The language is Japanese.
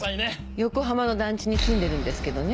横浜の団地に住んでるんですけどね。